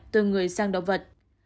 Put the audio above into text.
từ người sang động vật